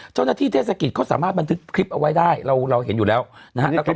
เจ้าหน้าที่เทศกิจเขาสามารถบันทึกคลิปเอาไว้ได้เราเห็นอยู่แล้วนะฮะ